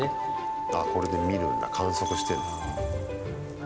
ああ、これで見るんだ観測してるんだ。